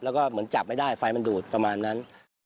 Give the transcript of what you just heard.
แล้วก็เหมือนจับไม่ได้ไฟมันดูดประมาณนั้น